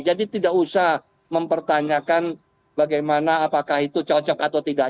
jadi tidak usah mempertanyakan bagaimana apakah itu cocok atau tidak